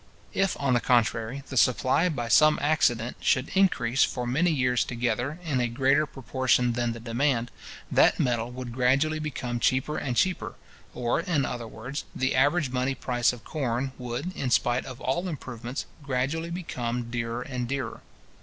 If, on the contrary, the supply, by some accident, should increase, for many years together, in a greater proportion than the demand, that metal would gradually become cheaper and cheaper; or, in other words, the average money price of corn would, in spite of all improvements, gradually become dearer and dearer.